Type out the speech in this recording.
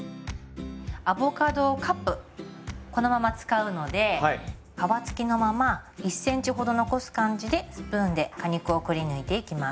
アボカドカップこのまま使うので皮付きのまま１ｃｍほど残す感じでスプーンで果肉をくりぬいていきます。